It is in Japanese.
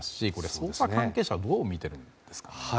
捜査関係者はどう見ているんですか。